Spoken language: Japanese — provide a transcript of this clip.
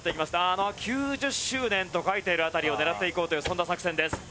あの「９０周年」と書いている辺りを狙っていこうというそんな作戦です。